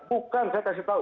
bukan saya kasih tahu